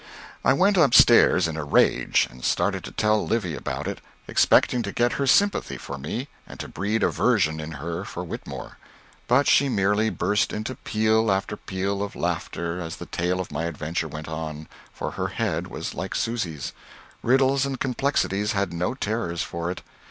I went up stairs in a rage and started to tell Livy about it, expecting to get her sympathy for me and to breed aversion in her for Whitmore; but she merely burst into peal after peal of laughter, as the tale of my adventure went on, for her head was like Susy's: riddles and complexities had no terrors for it.